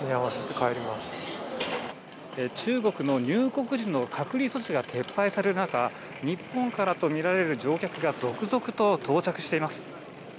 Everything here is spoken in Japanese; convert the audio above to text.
中国の入国時の隔離措置が撤廃される中、日本からと見られる乗客が続々と到着しています。